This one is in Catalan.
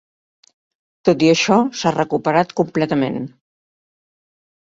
Tot i això s'ha recuperat completament.